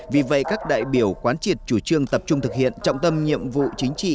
vì vậy các đại biểu quán triệt chủ trương tập trung thực hiện trọng tâm nhiệm vụ chính trị